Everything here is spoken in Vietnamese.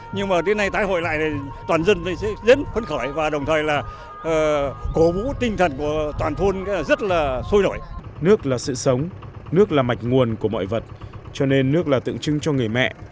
nước là sự sống nước là mạch nguồn của mọi vật cho nên nước là tượng trưng cho người mẹ